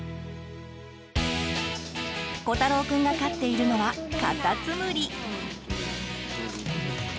琥太郎くんが飼っているのはカタツムリ。